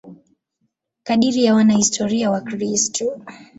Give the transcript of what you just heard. Kadiri ya wanahistoria Wakristo.